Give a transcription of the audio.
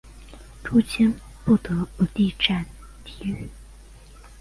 朱谦不得不力战抵御。